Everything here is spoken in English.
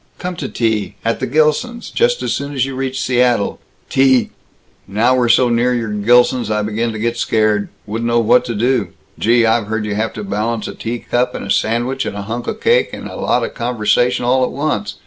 Come to tea, at the Gilsons', just as soon as you reach Seattle." "Tea Now we're so near your Gilsons, I begin to get scared. Wouldn't know what to do. Gee, I've heard you have to balance a tea cup and a sandwich and a hunk o' cake and a lot of conversation all at once!